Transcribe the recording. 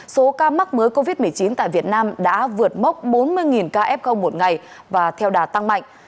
số ca mắc mới covid một mươi chín tại việt nam đã vượt mốc bốn mươi ca f một ngày và theo đà tăng mạnh